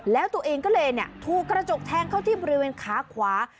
แล้วตัวเองก็เลยถูกกระจกแทงเข้าที่บริเวณขาขวา